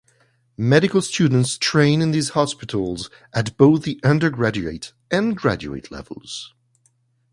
Medical students train in these hospitals at both the undergraduate and graduate levels.